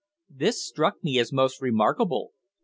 This struck me as most remarkable.